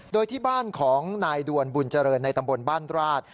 โดยที่บ้านของนายดวนบุญเจริญในตำบลบ้านราช